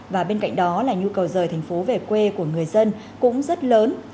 và bên cạnh đó là nhu cầu rời thành phố về quê của người dân cũng rất lớn